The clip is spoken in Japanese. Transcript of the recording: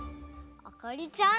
あかりちゃん。